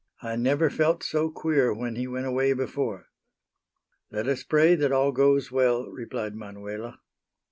"I never felt so queer when he went away before." "Let us pray that all goes well," replied Manuela.